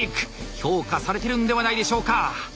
評価されてるんではないでしょうか。